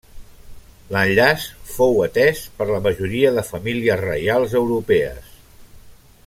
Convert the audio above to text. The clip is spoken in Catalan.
L'enllaç fou atès per la majoria de famílies reials europees.